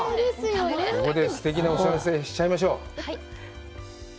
ここですてきなお知らせしちゃいましょう。